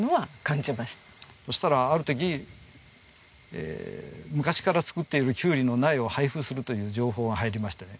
そしたらある時昔から作っているキュウリの苗を配布するという情報が入りましてね。